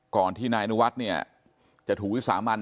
ก่อนที่นายอนุวัฒน์เนี่ยจะถูกวิสามัน